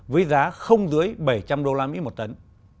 với giá không dưới bảy trăm linh đô la mỹ một tấn